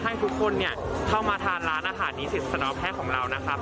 ให้ทุกคนเข้ามาทานร้านอาหารนิสิตสนแพทย์ของเรานะครับ